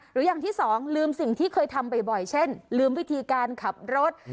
หรืออย่างที่สองลืมสิ่งที่เคยทำบ่อยเช่นลืมวิธีการขับรถ